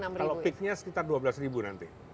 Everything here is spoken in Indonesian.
kalau peaknya sekitar dua belas ribu nanti